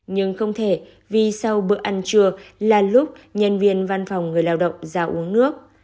nhưng không thể vì sau bữa ăn trưa là lúc nhân viên văn phòng người lao động ra uống nước